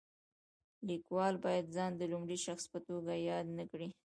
لیکوال باید ځان د لومړي شخص په توګه یاد نه کړي.